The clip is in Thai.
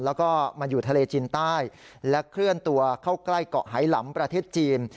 แล้วก็มาอยู่ทะเลจีนใต้และเคลื่อนตัวเข้าใกล้เกาะไหลำประเทศจีน